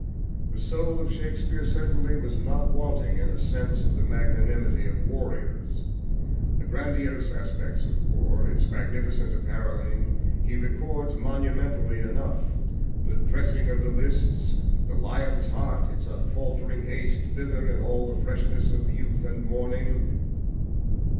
The soul of Shakespeare, certainly, was not wanting in a sense of the magnanimity of warriors. The grandiose aspects of war, its magnificent apparelling, he records monumentally enough the "dressing of the lists," the lion's heart, its unfaltering haste thither in all the freshness of youth and morning.